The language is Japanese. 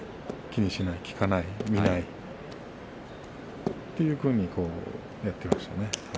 気にしない聞かない見ないそういうふうにやっていました。